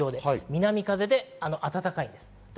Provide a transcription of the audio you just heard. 南風で暖かいです。